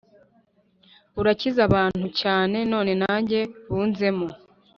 Burakiza abantu cyane none nanjye bunzemo